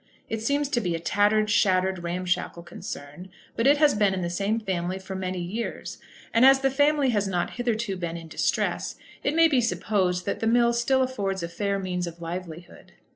It seems to be a tattered, shattered, ramshackle concern, but it has been in the same family for many years; and as the family has not hitherto been in distress, it may be supposed that the mill still affords a fair means of livelihood.